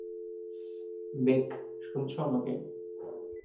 Bake, শুনছ আমাকে?